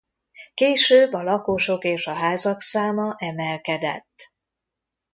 Később a lakosok és a házak száma emelkedett.